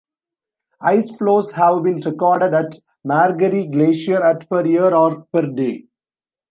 Ice flows have been recorded at Margerie Glacier at per year or per day.